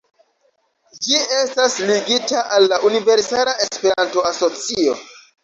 Ĝi estas ligita al la Universala Esperanto-Asocio.